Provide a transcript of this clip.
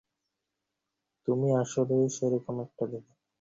তুমি আসলেই সেরকম একটা দেবতা।